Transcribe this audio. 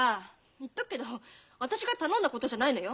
言っとくけど私が頼んだことじゃないのよ。